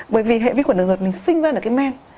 bởi vì hệ vi khuẩn đặc dụt mình sinh ra là cái men